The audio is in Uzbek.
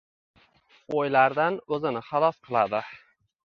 o‘ylardan o‘zini xalos qiladi.